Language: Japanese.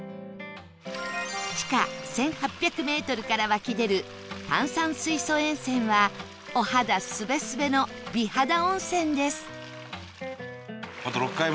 地下１８００メートルから湧き出る炭酸水素塩泉はお肌スベスベの美肌温泉です